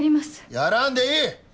やらんでいい！